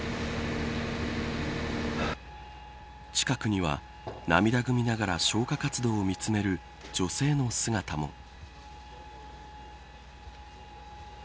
近くには涙ぐみながら消火活動を見つめる女性の姿も。